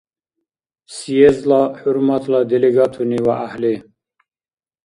Съездла хӀурматла делегатуни ва гӀяхӀли!